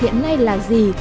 hiện nay là gì